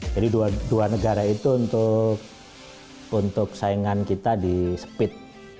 jadi dua negara itu untuk saingan kita di speed